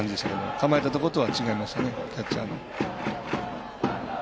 構えたところとは違いましたねキャッチャーの。